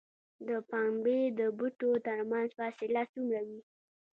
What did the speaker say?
د پنبې د بوټو ترمنځ فاصله څومره وي؟